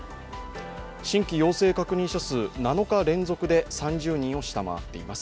新規陽性確認者数７日連続で３０人を下回っています。